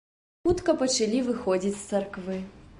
Хутка пачалі выходзіць з царквы.